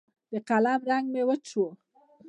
د قلم رنګ مې وچ شوی